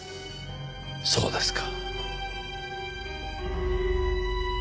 そうですか。